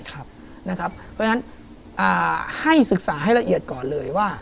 เพราะฉะนั้นให้ศึกษาให้ละเอียดก่อนเลยว่า